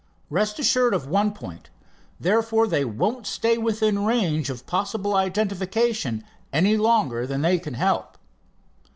Rest assured of on point, therefore they won't stay within range of possible identification any longer than they can help."